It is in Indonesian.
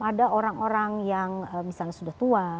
ada orang orang yang misalnya sudah tua